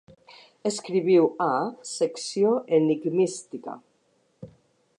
Escriviu a "Secció Enigmística.